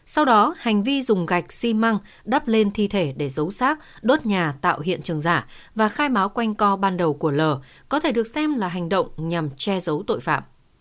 sau đó hành vi dùng gạch xi măng đắp lên thi thể để giấu sát đốt nhà tạo hiện trường giả và khai báo quanh co ban đầu của l có thể được xem là hành động nhằm che giấu tội phạm